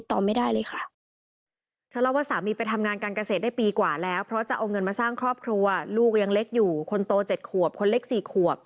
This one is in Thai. ที่เขาหยิงข้ามมาแล้วหลังจากนั้นก็คือติดต่อไม่ได้เลยค่ะ